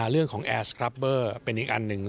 แอร์สครับเบอร์เป็นอีกอันหนึ่ง